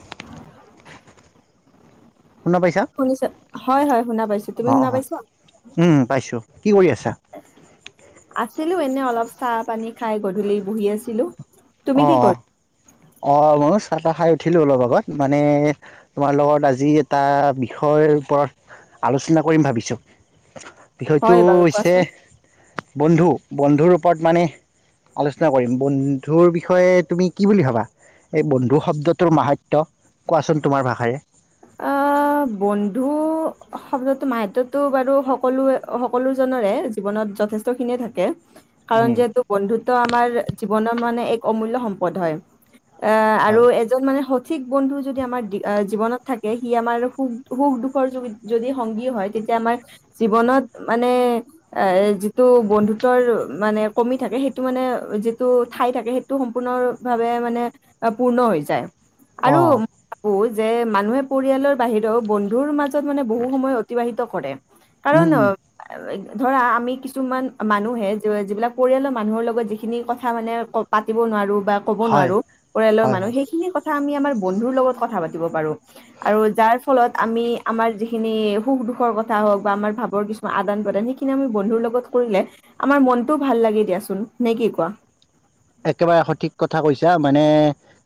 [unintelligible] শুনা পাইছা, শুনিছা হয় হয় শুনা পাইছো তুমি অ, শুনা অ, পাইছা উম, উম, পাইছোঁ। কি কৰি আছা। আছিলোঁ এনে অলপ চাহ পানী খাই গধূলি বহি আছিলোঁ অ', অ, অ, অ, মনোজ। চাহ খাই উঠিলোঁ অলপ আগত মানে তোমাৰ লগত আজি এটা বিষয় ওপৰত আলোচনা কৰিম ভাবিছোঁ, বিষয়টো হয় বাৰু হৈছে কোৱাচোন বন্ধু। বন্ধুৰ ওপৰত মানে আলোচনা কৰিম বন্ধুৰ বিষয়ে তুমি কি বুলি ভাবা। এই বন্ধু শব্দটোৰ মাহাত্য কোৱাচোন তোমাৰ ভাষাৰে আহ বন্ধু শব্দতো মাহাত বাৰু সকলো সকলো জনৰে জীৱনত যথেষ্টখিনিয়ে থাকে কাৰণ উম যিহেতু বন্ধুত্ব আমাৰ জীৱনৰ মানে এক অমূল্য সম্পদ হয়। এ আৰু হয় এজন মানে সঠিক বন্ধু যদি আমাৰ জীৱনত থাক কে সি আমাৰ সুখ সুখ দুখৰ য-যদি সংগী হয় তেতিয়া আমাৰ, জীৱনত, মানে এ যিটো বন্ধুত্বৰ মানে কমি থাকে সেইটো মানে যিটো ঠাই থাকে সেইটো সম্পূৰ্ণ ভাৱে মানে, পূৰ্ণ হৈ যায়। আৰু, অঁ মই ভাবোঁ যে মানুহে পৰিয়ালৰ বাহিৰেও বন্ধুৰ মাজ জত, মানে বহু সময় অতিবাহিত কৰে, উম কাৰণ উম [unintelligible] ধৰা আমি কিছুমান মানুহে যিবিলাক পৰিয়ালৰ মানুহৰ লগত যিখিনি কথা মানে পাতিব নোৱাৰোঁ বা ক'ব হয় নোৱাৰোঁ, পৰিয়ালৰ হয় হয় মানুহ সেইখিনি কথা আমি আমাৰ বন্ধুৰ লগত কথা পাতিব পাৰোঁ। আৰু যাৰ ফলত আমি আমাৰ যিখিনি সুখ দুখৰ কথা হওঁক বা আমাৰ ভাৱৰ কিছুমান আদান প্ৰদান সেইখিনি সেইখিনি আমি বন্ধুৰ লগত কৰিলে, আমাৰ মনটো ভাল লাগে দিয়াচোন, নে কি কোৱা? [inaudible] একেবাৰে সঠিক কথা কৈছা, মানে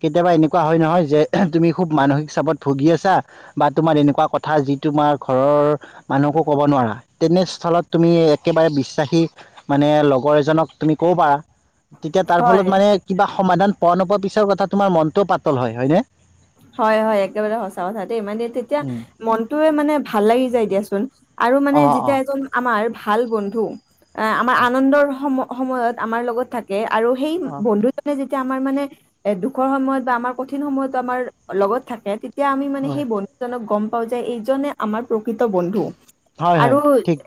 কেতিয়াবা এনেকুৱা হয় নহয় যে তুমি খুব মানসিক চাপত ভুগি আছা, বা তোমাৰ এনেকুৱা কথা যি তোমাৰ ঘৰৰ, মানুহকো ক'ব নোৱাৰা, তেনে ষ্টলত তুমি একেবাৰে বিশ্বাসী মানে লগৰ এজনক তুমি ক'ব পাৰা তেতিয়া তাৰ হয় ফলত মানে কিবা সমাধান পোৱা নোপোৱা পিছৰ কথা তোমাৰ মনটোও পাতল হয়। হয় নে হয় হয় একেবাৰে সঁচা কথা দেই মানে তেতিয়া উম মনটোৱে মানে ভাল লাগি যায় দিয়াচোন। আৰু মানে অ', যেতিয়া অ', এজন আমাৰ ভাল বন্ধু, এ আমাৰ আনন্দৰ সম সময়ত আমাৰ লগত থাকে আৰু সেই অ', বন্ধুজনে তিয়া আমাৰ মানে এ দুখৰ সময়ত বা আমাৰ কঠিন সময়তো আমাৰ লগত থাকে তে এতিয়া আমি মানে সেই হয় বন্ধুজনক গম পাওঁ যে এইজনে আমাৰ প্ৰকৃত বন্ধু। হয় আৰু হয় ঠিক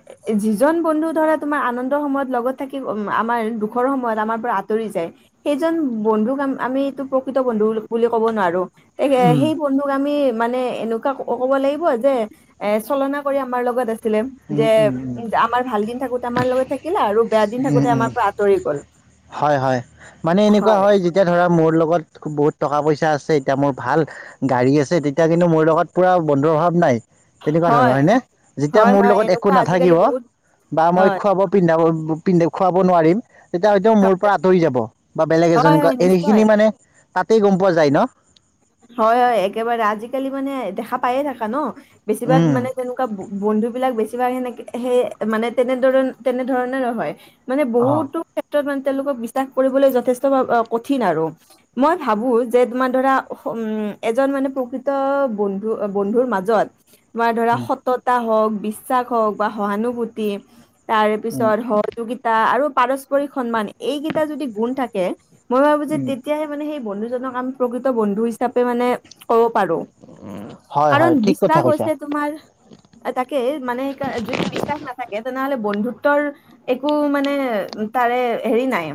যি যোন বন্ধু ধৰা তোমাৰ আনন্দৰ সময়ত লগত থাকি, আমাৰ দুখৰ সময়ত আমাৰ পৰা আঁতৰি যায়েই সি জন বন্ধুক আমি এইটো প্ৰকৃত বন্ধু বুলি ক'ব নোৱাৰো তে উম। সেই বন্ধুক আমি মানে এনেকুৱা ক'ব লাগিব যে চলনা কৰি আমাৰ লগত আছে -ছিলে যে উম, উম, উম, আমাৰ ভাল দিন থাকোতে আমাৰ লগত থাকিলে আৰু বেয়া দিন উম। থাকোতে আমাৰ উম। পৰা আঁতৰি গ'ল। হয়। হয়। মানে এনেকুৱা হয় যেতিয়া ধৰক মোৰ লগত বহুত টকা পইচা আছে এতিয়া মোৰ ভাল গাড়ী আছে তেতিয়া কিন্তু মোৰ লগত পুৰা বন্ধু প্ৰভাৱ নাই, তেনেকুৱা ধৰণৰ হয়, হয়নে। যেতিয়া হয়, মোৰ হয় লগত একো এনেকুৱা আজিকালি নাথাকিব বহুত বা মই হয়, খোৱাব পিন্ধাব পিন্ধে খুৱাব নোৱাৰিম তেতিয়া হয়তো মোৰ পৰা আঁতৰি যাব বা বেলেগ হয়, এজনীক হয় এনে নিশ্চয়। খিনি মানে তাতেই গম পোৱা যায় ন? হয়। হয়। একেবাৰে আজিকালি মানে দেখা পায়ে থাকা ন বেছিভাগ উম মানে তেনেকুৱা বন্ধু বিলাক বেছিভাগ সেনেকে, সেই মানে তেনেধৰ তেনেধৰণৰ হয়। মানে অ বহুতো ক্ষেত্ৰত মানে তেওঁলোকক বিশ্বাস কৰিবলৈ যথেষ্ট কঠিন আৰু। মই ভাবো যে তোমাৰ ধৰা উম এজন মানে প্ৰকৃত বন্ধু বন্ধুৰ মাজত তোমাৰ ধৰা উম সততা হওক বিশ্বাস হওক বা সহানুভূতি তাৰ উম পিছত সহযোগিতা আৰু পাৰস্পৰিক সন্মান এইকেইটা যদি গুণ থাকে মই ভাবো যে উম তেতিয়াহে মানে সেই বন্ধুজনক আমি প্ৰকৃত বন্ধু হিচাপে মানে কৰ পাৰো। হয় কাৰণ হয় ঠিক কথা বিশ্বাস কৈছা হৈছে তোমাৰ তাকে মানে ইকা যদি বিশ্বাস নাথাকে তেনেহ'লে বন্ধুত্বৰ একো মানে তাৰে হেৰি নাই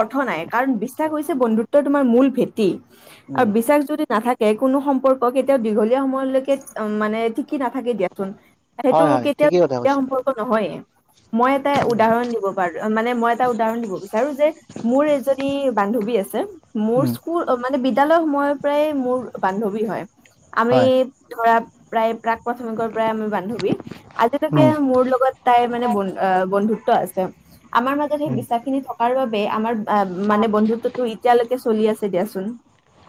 অৰ্থ নাই কাৰণ বিশ্বাস হৈছে বন্ধুত্ব তোমাৰ মূল ভেঁটি। উম আৰু বিশ্বাস যদি নাথাকে কোনো সম্পৰ্ক এতিয়াও দীঘলীয়া সময়লৈকে মানে ঠিক সি নাথাকে দিয়াচোন সেইটো হয় হয় কেতিয়াও ঠিকেই কথা কৈছা সম্পৰ্ক নহয়ে। মই এটা উদাহৰণ দিব পাৰো মানে মই এটা উদাহৰণ দিব বিচাৰো যে মোৰ এজনী বান্ধৱী আছে। মোৰ উম স্কুল মানে বিদ্যালয় সময়ৰ পৰাই মোৰ বান্ধৱী হয়। আমি হয় ধৰা প্ৰায় প্ৰাক প্ৰাথমিকৰ পৰাই আমি বান্ধৱী আজিলৈকে উম মোৰ লগত তাই মানে অ বন্ বন্ধুত আছে আমাৰ মাজত সেই উম বিশ্বাস খিনি থকাৰ বাবে আমাৰ অ মানে বন্ধুত্বতো এতিয়ালৈকে চলি আছে, দিয়াচোন।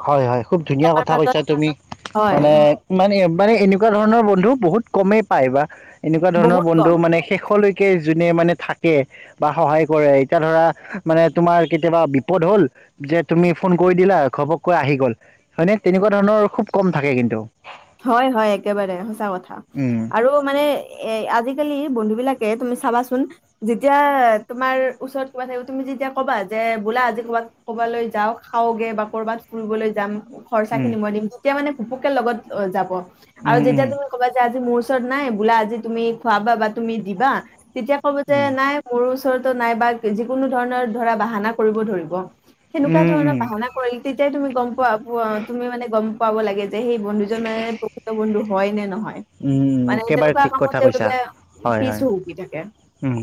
হয় হ, য় খুব ধুনীয়া আমাৰ কথা মাজত কৈছা তুমি হয় মানে, মানে মানে এনেকুৱা ধৰণৰ বন্ধু বহুত কমেই পাই বা এনেকুৱা ধৰণৰ বহুত বন্ধু কম মানে শেষলৈক কে যোনে মানে থাকে বা সহায় কৰে এতিয়া ধৰা মানে তোমাৰ কেতিয়াবা বিপদ হ'ল যে তুমি ফোন কৰি দিলা ঘপককৈ আহি গ'ল। হয়নে? তেনেকুৱা ধৰণৰ খুব কম থাকে কিন্তু। হয়। হয়। একেবাৰে সঁচা কথা উম আৰু মানে এ আজি -কালি বন্ধু বিলাকে তুমি চাবাচোন যেতিয়া তোমাৰ ওচৰত কিবা থাকিব তুমি যেতিয়া কবা যে এ বোলা আজি ক'ৰবাত ক'বালৈ যাওঁ, খাওঁগে বা ক'ৰবাত ফুৰিবলৈ যাম খৰচা উম খিনি মই দিম তেতিয়া মানে ঘুপুকে লগত যাব আৰু উম উম যেতিয়া তুমি ক'বা যে আজি মোৰ ওচৰত নাই বোলা আজি তুমি খুৱাবা বা তুমি দিবা তেতিয়া ক'ব যে উম নাই মোৰ ওচৰতো নাই বা যিকোনো ধৰণৰ ধৰা বাহানা কৰিব ধৰিব, সেনেকুৱা উম উম ধৰণৰ উম বাহানা কৰিল‌ তেতিয়াই তুমি গম পোৱা তুমি মানে গম পাব লাগে যে সেই বন্ধু মানে প্ৰকৃত হয় নে নহয়, উম মানে একেবাৰে তেনেকুৱা ঠিক কামত কথা কৈছা তেওঁলোকে হয় পিছ হয় হুঁহকি থাকে। উম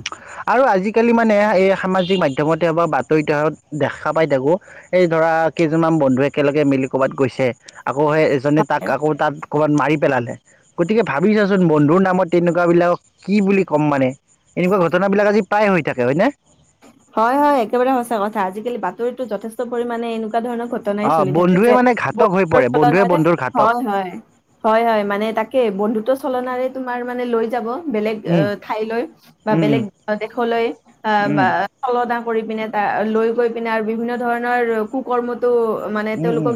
আৰু আজিকালি মানে এই সামাজিক মাধ্যমতে বা বাতৰিতে হত দেখা পাই থাকোঁ, এই ধৰা কেইজনমান বন্ধুৱে কেলে একে লগে মিলি কৰ'ৰবাত গৈছে আকৌ সেই এজনে তাক আকৌ তাত কৰ'বাত মাৰি পেলালে। গতিকে ভাবিছাচোন বন্ধুৰ নামত তেনেকুৱাবলাকক কি বুলি ক'ম মানে? এনেকুৱা ঘটনাবলাক আজি প্ৰায় হৈ থাকে হয়নে? হয়- হয় একেবাৰে সঁচা কথা আজিকালি বাতৰিতো যথেষ্ট পৰিমামানে এনেকুৱা, এনেকোৱা ধৰণৰ ঘটনাই অ চলি থাকে বন্ধুৱে যে। মানে ঘাতক হৈ পৰে তুলন বন্ধুৱে বন্ধুৰ ঘাতক হয়- হয়। হয়- হয় মানে তাকে, বন্ধুত্ব চলনাৰে, তোমাৰ মানে লৈ যাব, বেলেগ উম ঠাইলৈ বা উম বেলেগ দেশলৈ। বা উম উম চলানা কৰি পিনে তাত লৈ গৈ পিনে আৰু বিভিন্ন ধৰণৰ কুকৰ্মত মানে উম তেওঁলোকক উম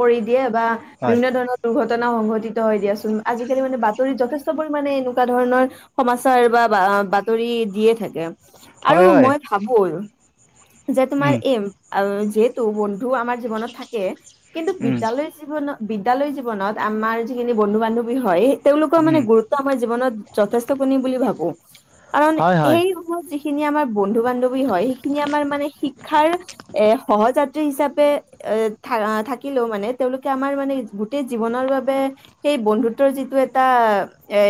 কৰি দিয়ে। বা হয় বিভিন্ন ধৰণৰ দুৰ্ঘটনা। ঘটনা সংঘটিত হয় দিয়াচোন। আজিকালি মানে বাতৰিত যথেষ্ট পৰিমমানে এনেকুৱা ধৰণৰ সমাচাৰ বা -বা বাতৰি দিয়ে থাকে। হয় আৰু হয় মই ভাবো যে তোমাৰ উম এইম যিহেতু বন্ধু আমাৰ জীৱনত থাকে। কিন্তু উম বিদ্যালয় জীৱনত বিদ্যালয় জীৱনত আমাৰ যিখিনি বন্ধু -বান্ধৱী হয় তেওঁলোকৰ মানে উম গুৰুত্ব আমাৰ জীৱনত। যথেষ্ট কিন বুলি ভাবো। কাৰণ হয় হয় এই সময়ত যিখিনি সেই খিনি আমাৰ বন্ধু -বান্ধৱী হয় সেইখিনি আমাৰ মানে শিক্ষাৰ এই সহযাত্ৰী হিচাপে এ থাকিলেও মানে। তেওঁলোকে আমাৰ মানে গোটেই জীৱনৰ বাবে সেই বন্ধুত্বৰ যিটো এটা এ,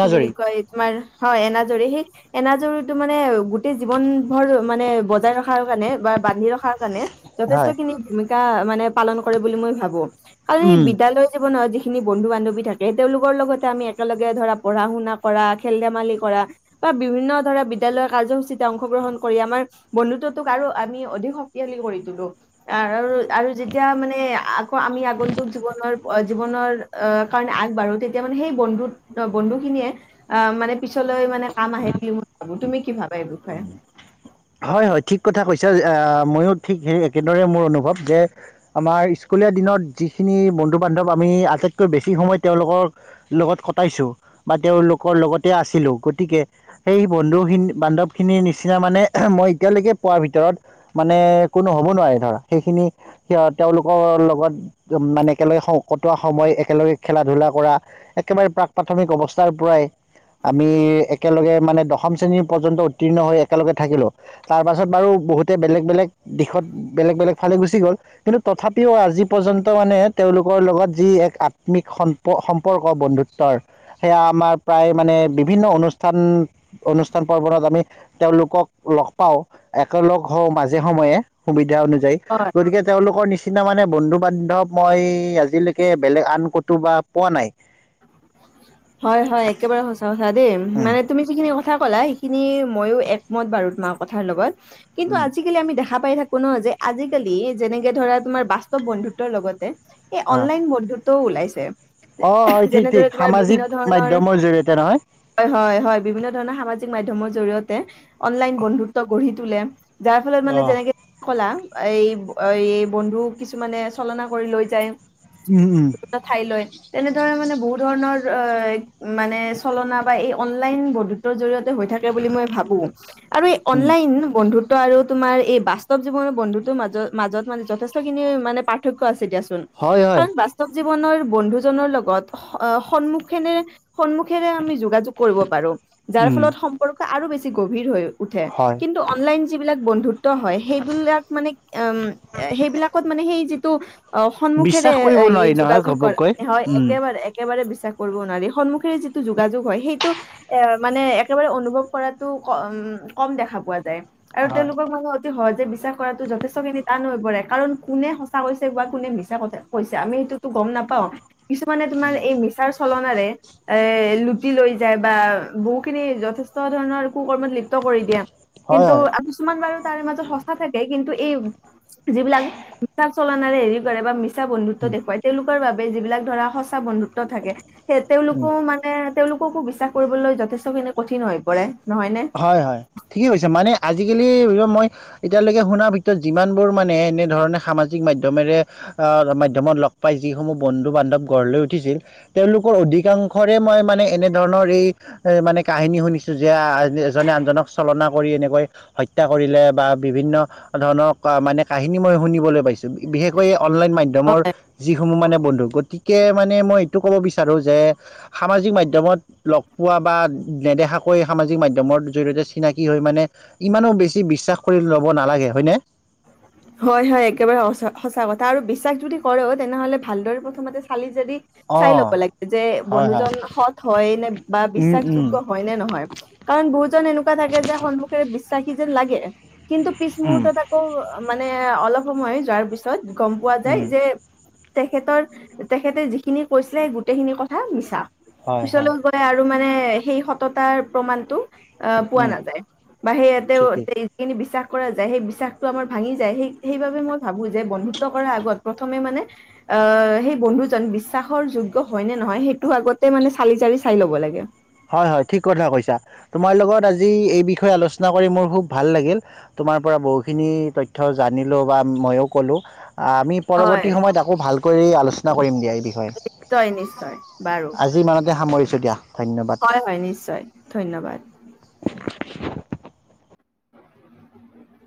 কি বুলি কয় তোমাৰ হয় এনাজৰী সেই এনাজৰী টো মানে গোটেই জীৱন ভৰ মানে বজাই ৰখাৰ কাৰণে বা বান্ধি ৰখা কাৰণে যথেষ্ট হয় খিনি ভূমিকা মানে। পালন কৰে বুলি মই ভাবো। কাৰণ স উম বিদ্যালয়ৰ জীৱনতি খিনি বন্ধু বান্ধৱী থাকে তেওঁলোকৰ লগতে আমি একেলগে ধৰা পঢ়া শুনা কৰা, খেল ধেমালি কৰা, বিভিন্ন ধৰণে, বিদ্যালয়ৰ কাৰ্যসূচীতে অংশগ্ৰহণ কৰি আমাৰ বন্ধুত্বটোক আৰু আমি অধিক শক্তিশালী কৰি তলো। আৰু যেতিয়া মানে, আগন্তুক জীৱনৰ জীৱনৰ -কাৰণে আগবাঢ়ো তেতিয়া মানে সেই বন্ধুখিনিয়ে, মানে পিছলৈ মানে কাম আহে বুলি মই ভাবো। তুমি কি ভাব? হয় -হয় ঠিক কথা কৈছ। অট্চা ময়ো ঠিক সেই একেদৰে মোৰ অনুভৱ, যে আমাৰ স্কুলীয়া দিনত যিখিনি বন্ধু -বান্ধৱ আটাইতকৈ সময় তেওঁলোকৰ লগত কটাইছোঁ। আছিলো। গতিকে সেই বন্ধুহীন -বান্ধৱ খিনি নিচিনা মানে মই এতিয়ালৈকে পোৱাৰ ভিতৰত, মানে কোনো হ'ব নোৱাৰে ধৰ সেইখিনি তেওঁলোকৰ লগত মানে একেলগে কটোৱা সময়, একেলগে খেলা ধূলা কৰা। একেবাৰে প্ৰাক প্ৰাথমিক অৱস্থাৰ পৰাই, আমি একেলগে মানে দশম শ্ৰেণীৰ পৰ্যন্ত উত্তীৰ্ণ হৈ একেলগে থাকিলো। তাৰ পাছত বাৰু বহুতে বেলেগ বেলেগ দিশত বেলেগ বেলেগ ফালে গুচি গ'ল। কিন্তু তথাপিও আজি পৰ্যন্ত মানে তেওঁলোকৰ লগত যি এক আত্মিক সম্প সম্পৰ্ক বন্ধুত্বৰ সেয়া আমাৰ প্ৰায় মানে বিভিন্ন অনুষ্ঠান -অনুষ্ঠান পৰ্বণত আমি, তেওঁলোকক লগ পাও। একেলগ হওঁ মাজে সময়ে সুবিধা অনুযায়ী অ গতিকে তেওঁলোকৰ নিচ নিচিনা মানে বন্ধু বান্ধৱ মই আজিলৈকে বেলেগ আন কতো বা পোৱা নাই। হয়- হয় একেবাৰে সচা -সচা দেই উম মানে তুমি যিখিনি ক থা কলা সেইখিনি ময়ো একমত বাৰু। তোমাৰ কথাৰ লগত কিন্তু উম আজিকালি আমি দেখা, দেখা পাই থাকো ন যে আজিকালি যেনেকে ধৰা তোমাৰ বাস্তৱ বন্ধুত্বৰ লগতে, এই অ অনলাইন বন্ধুত ওলাইছে। অ, হয় ঠিক -ঠিক তাৰ সামাজিক বিভিন্ন ধৰৰ মাধ্যমৰ জৰিয়তে নহয় হয় -হয় -হয় বিভিন্ন ধৰণৰ সামাজিক মাধ্যামৰ জৰিয়তে অনলাইন বন্ধুত্ব গঢ়ি তোলে। যাৰ ফলত মানে অহ যেনেকে কলা এই- এই বন্ধু কিছুমানে চলনা কৰি লৈ যায়। উম উম ঠাই লৈ তেনেদৰে মানে বহুত। ধৰণৰ মানে চলনা বা এই অনলাইন বন্ধুত্বৰ জৰিয়তে, হৈ থাকে বুলি মই ভাবো। আৰু এই উম অনলাইন বন্ধুত্ব আৰু তোমাৰ এই বাস্তৱ জীৱনৰ বন্ধুতৰ মাজ মাজত মানে যথেষ্টখিনি মানে পাৰ্থক্য আছে তেতিয়াচোন হয় হয় কাৰণ বাস্তৱ জীৱনৰ বন্ধুজনৰ লগত সন্মুখেনে সন্মুখেৰে আমি যোগাযোগ কৰিব পাৰো যাৰ উম ফলত সম্পৰ্ক আৰু বেছি গভীৰ হৈ উঠে হয় কিন্তু অনলাইন যিবিলাক বন্ধুত হয় সেইবিলাক মানে উম সেইবিলাকত মানে সেই যিটো অ সন্মুখেৰে বিশ্বাস কৰিব নোৱাৰি নহয় যোগাযোগ ঘপককৈ কৰে হয় উম একেবাৰে একেবাৰে বিশ্বাস কৰিব নোৱাৰি সন্মুখেৰে যিটো যোগাযোগ হয় সেইটো এ মানে একেবাৰে অনুভৱ কৰাতো উ কম দেখা পোৱা যায় আৰু হয় তেওঁলোকক মানে অতি সহজ বিশ্বাস কৰাটো যথেষ্টখিনি টান হৈ পৰে কাৰণ কোনে সঁচা কৈছে বা কোনে মিছা কৈছে আমি সেইটোতো গম নাপাওঁ কিছুমানে তুমাৰ এই মিচাৰ [unintelligible] লুটি লৈ যায় বা বহু খিনি যথেষ্ট ধৰণৰ কু [unintelligible] কৰি দিয়া হয় কিন্তু হয় কিছুমান বাৰু মাজত সচা থাকে কিন্তু এই যিবিলাক বিচ্ছাশ চলনাৰে [unintelligible] মিচা বন্ধুত্ব উম দেখুৱাই তেওঁলোকৰ বাবে যিবিলাক ধৰা সঁচা বন্ধুত্ব থাকে তেওঁলোকো উম মানে তেওঁলোককো বিশ্বাস কৰিবলৈ যথেষ্টখিনি কঠিন হৈ পৰে নহয়নে? হয় হয় ঠিকে কৈছে মানে আজি জিকালি য় মই এতিয়ালৈকে শুনাৰ ভিতৰত যিমান বোৰ মানে এনেধৰণে সামাজিক মাধ্যমেৰে আ মাধ্যমত লগ পাই যিসমূহ বন্ধু বান্ধৱ গঢ় লৈ উঠিছিল তেওঁলোকৰ অধিকাংশৰে মই মান মানে এনে ধৰণৰ এই এ মানে কাহিনী শুনিছ চো য্যা এজনে আনজনক চলনা কৰি এনেকৈ হত্যা কৰিলে বা বিভিন্ন ধৰণৰ কা মানে কাহিনী মই শুনিবলৈ পাইছো বিশেষকৈ অনলাইন মাধ্যমৰ যিসমূহ মানে বন্ধু গতি কে মানে মই এইটো ক'ব বিচাৰোঁ যে সামাজিক মাধ্যমত লগ পোৱা বা নেদেখা কৈ সামাজিক মাধ্যমৰ জৰিয়তে চিনাকি হৈ মানে ইমানো বেছি বিশ্বাস কৰি ল'ব নালাগে। হয়নে? [inaudible] হয় হয় একেবাৰে সঁচা কথা আৰু বিশ্বাস যদি কৰে তেনেহলে ভালদৰে প্ৰথমতে চালি যদি চাই অ', ল'ব লাগে যে হয় হয়। বন্ধুজন সৎ হয় নে বা উম, উম, বিশ্বাসযোগ্য হয় নে নহয়। কাৰণ বহুতজন এনেকুৱা থাকে যে সন্মুখেৰে বিশ্বাসী যেন লাগে কিন্তু পিছ উম, মুহুৰ্তত আকৌ মানে অলপ সময় যোৱাৰ পিছত গম পোৱা যায় উম, যে তেখেতৰ তেখেতে যিখিনি কৈছিলে গোটেইখিনি কথা মিছা। হয় হয়। পিছলৈ গৈ আৰু মানে সেই সততাৰ প্ৰমাণটো অ পোৱা উম, নাযায় বা সেইয়াতে ঠিকেই। যিখিনি বিশ্বাস কৰা যায় সেই বিশ্বাসটো আমাৰ ভাঙি যায় সেইবাবে মই ভাবো যে বন্ধুত্ব কৰা আগত প্ৰথমে মানে আ সেই বন্ধুজন বিশ্বাসৰ যোগ্য হয় নে নহয় সেইটো আগতে মানে চালি জাৰি চাই ল'ব লাগে। হয় হয় ঠিক কথা কৈছা তোমাৰ লগত আজি এই বিষয়ে আলোচনা কৰি মোৰ খুব ভাল লাগিল। তোমাৰ পৰা বহুখিনি তথ্য জানিলো বা ময়ো ক'লো। আ আমি হয় পৰৱৰ্তী সময়ত আকৌ ভালকৈ আলোচনা কৰিম দিয়া এই বিষয়ে। নিশ্চয় নিশ্চয় বাৰু আজি ইমানতে সামৰিছো দিয়া ধন্যবাদ। হয় হয় নিশ্চয়, ধন্যবাদ। [inaudible] [inaudible]